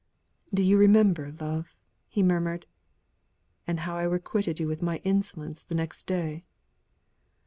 "Do you remember, love?" he murmured. "And how I requited you with my insolence the next day?"